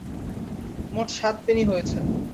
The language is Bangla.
মোট সাত পেনি হয়েছে।